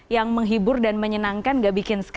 yang menghibur dan menyenangkan tidak bikin